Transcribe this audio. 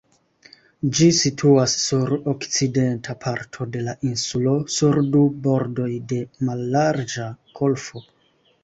Ĝi situas sur okcidenta parto de la insulo, sur du bordoj de mallarĝa golfo.